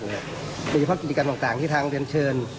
เท่าไปพอบิติกรรมต่างจากที่ทางโรงเรียนเชิญ